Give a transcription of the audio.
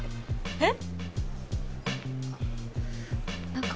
えっ！